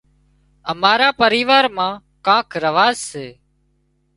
امار پريوار مان ڪانڪ رواز سي